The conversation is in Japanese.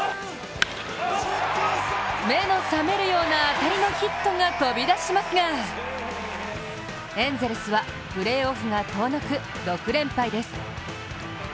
目の覚めるような当たりのヒットが飛び出しますがエンゼルスはプレーオフが遠のく６連敗です。